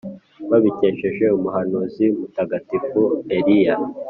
babikesheje umuhanuzi mutagatifu Eliya